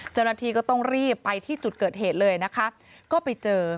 เจ้าหน้าที่ก็ต้องรีบไปที่จุดเกิดเหตุเลยนะคะก็ไปเจอ